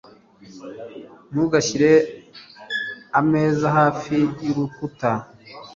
Ntugashyire ameza hafi y'urukuta